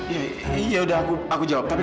ya udah aku jawab tapi kamu makan dulu ya mila